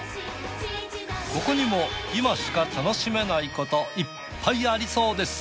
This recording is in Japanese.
ここにも今しか楽しめないこといっぱいありそうです。